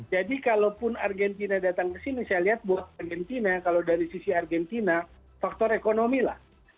jadi kalaupun argentina datang kesini saya lihat buat argentina kalau dari sisi argentina faktor ekonomi lah